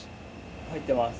入ってます。